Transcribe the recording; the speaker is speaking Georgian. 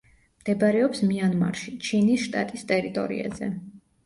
მდებარეობს მიანმარში, ჩინის შტატის ტერიტორიაზე.